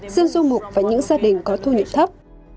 dân du mục và những gia đình có thu nhuận thấp